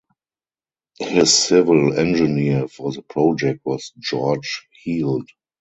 His civil engineer for the project was George Heald.